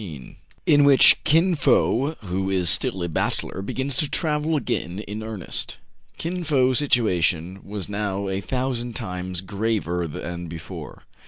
^ IN WHICH KIN FO, WHO IS STILL A BACHELOR, BEGINS TO TRAVEL AGAIN IN EARNEST. KiN Fo's situation was now a thousand times graver than before.